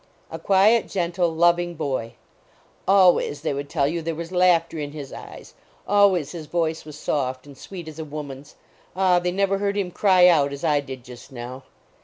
A quiet, gentle, loving boy. Al ways, they would tell you, there was laughter in his eyes; always his voice was soft, and sweet as a woman s ah, they never heard him cry out as I did, just now!